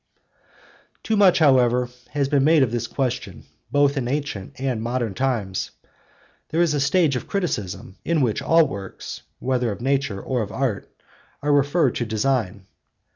Too much, however, has been made of this question both in ancient and modern times. There is a stage of criticism in which all works, whether of nature or of art, are referred to design.